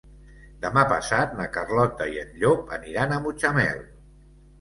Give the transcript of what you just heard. Demà passat na Carlota i en Llop aniran a Mutxamel.